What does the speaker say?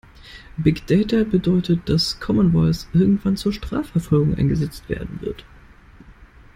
Big Data bedeutet, dass Common Voice irgendwann zur Strafverfolgung eingesetzt werden wird.